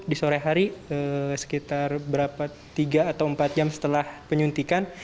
di sore hari sekitar berapa tiga atau empat jam setelah penyuntikan